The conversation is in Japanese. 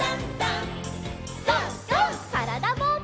からだぼうけん。